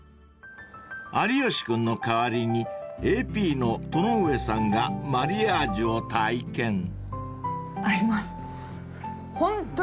［有吉君の代わりにＡＰの戸上さんがマリアージュを体験］